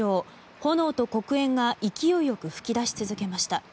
炎と黒煙が勢いよく噴き出し続けました。